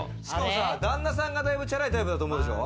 旦那さんがだいぶチャラいタイプだと思うでしょ？